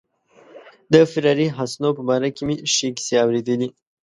د فراري حسنو په باره کې مې ښې کیسې اوریدلي.